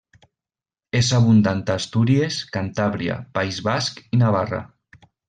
És abundant a Astúries, Cantàbria, País Basc i Navarra.